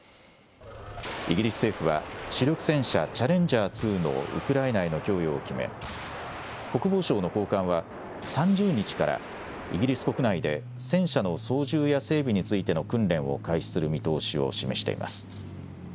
イギリス政府は、主力戦車、チャレンジャー２のウクライナへの供与を決め、国防省の高官は３０日から、イギリス国内で戦車の操縦や整備についての訓練を開始する見通しを示しています。